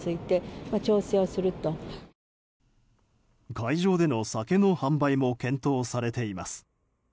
会場での酒の販売も検討されています。